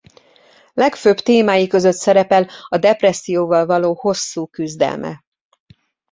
Legfőbb témái között szerepel a depresszióval való hosszú küzdelme.